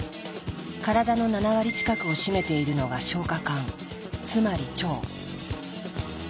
体の７割近くを占めているのが消化管つまり腸。